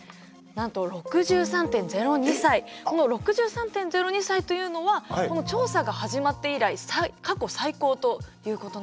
この６３．０２歳というのはこの調査が始まって以来過去最高ということなんです。